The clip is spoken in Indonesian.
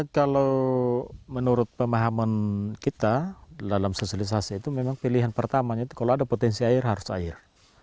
kalau menurut pemahaman kita dalam sosialisasi itu memang pilihan pertamanya itu kalau ada potensi air harus air